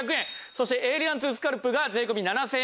そしてエイリラン２スカルプが税込７０００円。